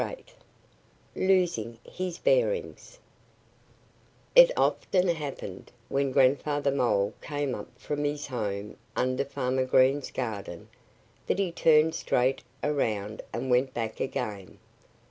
VIII LOSING HIS BEARINGS IT often happened, when Grandfather Mole came up from his home under Farmer Green's garden, that he turned straight around and went back again.